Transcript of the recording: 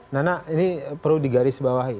nenek ini perlu digarisbawahi